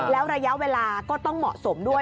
แล้วระยะเวลาก็ต้องเหมาะสมด้วย